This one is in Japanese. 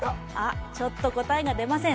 ちょっと答えが出ません。